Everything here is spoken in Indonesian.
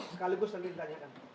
sekaligus nanti ditanyakan